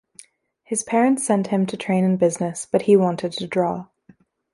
His parents sent him to train in business, but he wanted to draw.